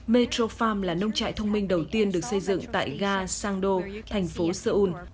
metro farm là nông trại thông minh đầu tiên được xây dựng tại ga sangdo thành phố seoul